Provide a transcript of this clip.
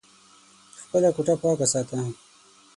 خپله کوټه پاکه ساته !